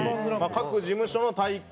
各事務所の大会。